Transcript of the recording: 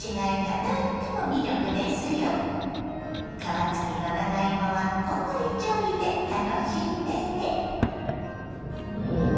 皮付きの長芋はこんがり調理で楽しんでね。